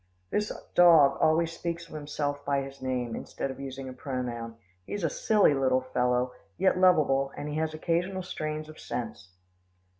This dog always speaks of himself by his name, instead of using a pronoun. He is a silly little fellow, yet lovable, and he has occasional strains of sense.